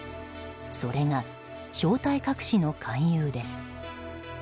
それが、正体隠しの勧誘です。